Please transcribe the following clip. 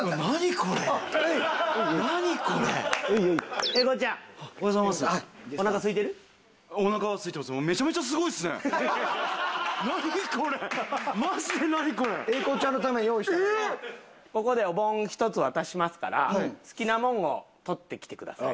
ここでおぼん１つ渡しますから好きなもんを取ってきてください。